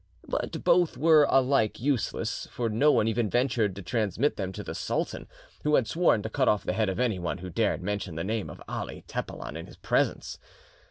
But both were alike useless, for no one even ventured to transmit them to the sultan, who had sworn to cut off the head of anyone who dared mention the name of Ali Tepelen in his presence.